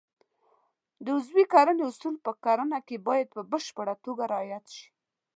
د عضوي کرنې اصول په کرنه کې باید په بشپړه توګه رعایت شي.